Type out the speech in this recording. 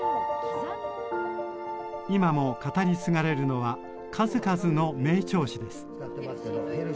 今も語り継がれるのは数々の名調子です。